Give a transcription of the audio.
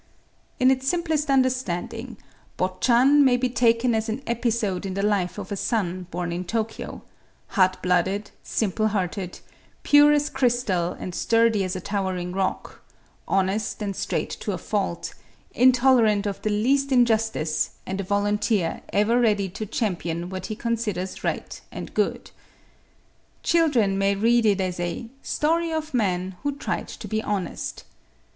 In its simplest understanding, "Botchan" may be taken as an episode in the life of a son born in Tokyo, hot blooded, simple hearted, pure as crystal and sturdy as a towering rock, honest and straight to a fault, intolerant of the least injustice and a volunteer ever ready to champion what he considers right and good. Children may read it as a "story of man who tried to be honest."